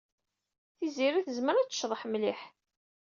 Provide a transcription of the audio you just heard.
Tiziri tezmer ad tecḍeḥ mliḥ.